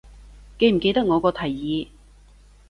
記唔記得我個提議